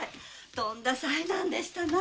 とんだ災難でしたな。